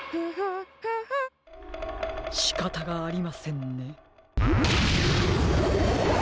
しかたがありませんね。